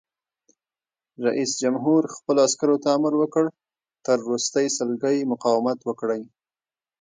رئیس جمهور خپلو عسکرو ته امر وکړ؛ تر وروستۍ سلګۍ مقاومت وکړئ!